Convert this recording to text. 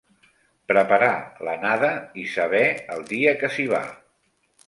Preparar l'anada i saber el dia que s'hi va;